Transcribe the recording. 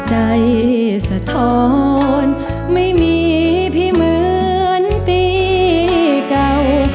สะท้อนไม่มีพี่เหมือนปีเก่า